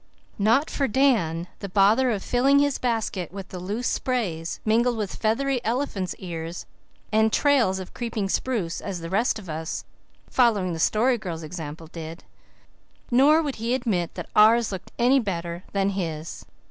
Not for Dan the bother of filling his basket with the loose sprays, mingled with feathery elephant's ears and trails of creeping spruce, as the rest of us, following the Story Girl's example, did. Nor would he admit that ours looked any better than his.